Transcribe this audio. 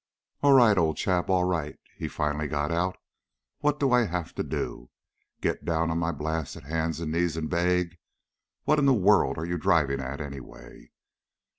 "All right, old chap, all right!" he finally got out. "What do I have to do? Get down on my blasted hands and knees and beg? What in the world are you driving at, anyway?"